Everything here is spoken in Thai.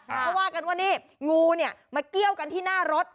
เพราะว่ากันว่านี่งูเนี่ยมาเกี้ยวกันที่หน้ารถ